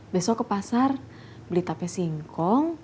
besok ke pasar beli tape singkong